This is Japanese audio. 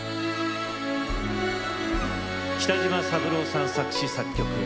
北島三郎さん作詞作曲。